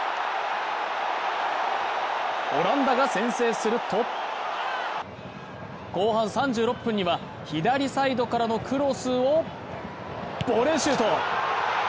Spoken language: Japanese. オランダが先制すると後半３６分には、左サイドからのクロスをボレーシュート。